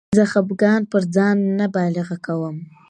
زه خپګان پر ځان نه غالبه کوم.